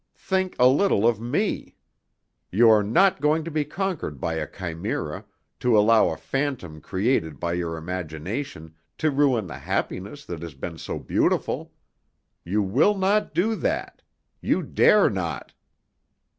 Think a little of me. You are not going to be conquered by a chimera, to allow a phantom created by your imagination to ruin the happiness that has been so beautiful. You will not do that! You dare not!"